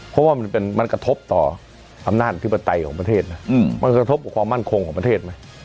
เพราะว่ามันกระทบต่ออำนาจอธิปไตยของประเทศนะมันกระทบกับความมั่นคงของประเทศไหม